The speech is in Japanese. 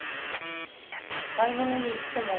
「買いものに行っても」